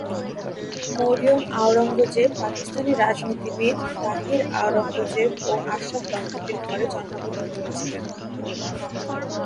মরিয়ম আওরঙ্গজেব পাকিস্তানি রাজনীতিবিদ তাহির আওরঙ্গজেব ও আশরাফ দম্পতির ঘরে জন্মগ্রহণ করেছিলেন।